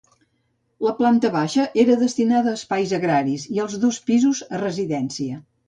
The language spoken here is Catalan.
La planta baixa era destinada a espais agraris i els dos pisos a residència.